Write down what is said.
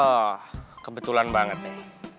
ah kebetulan banget nih